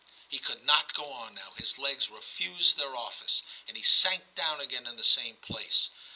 He could not go on now ; his legs refused their office, and he sank down again in the same place.